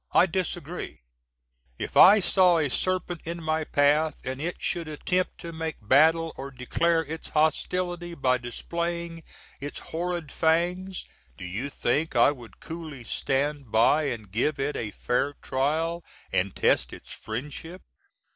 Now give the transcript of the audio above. I disagree. If I saw a serpent in my path & it sh^d. attempt to make battle, or declare its hostility by displaying its horrid fangs, do you think I would coolly stand by & give it a fair trial, & test its friendship?